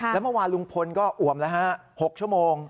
แล้วเมื่อวานลุงพลก็อ่วมแล้วฮะ๖ชั่วโมง